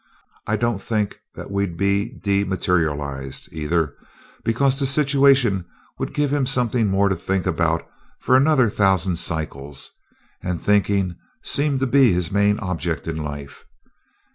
I don't think that we'd be dematerialized, either, because the situation would give him something more to think about for another thousand cycles; and thinking seemed to be his main object in life.